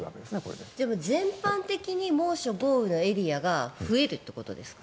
全般的に猛暑、豪雨のエリアが増えるということですか。